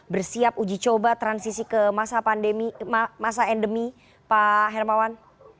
bersiap uji coba transisi ke masa endemi pak hermawan